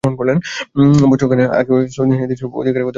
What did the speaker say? বছর খানেক আগেও সৌদি নারীদের এসব অধিকারের কথা ভাবা ছিল স্বপ্নেরই নামান্তর।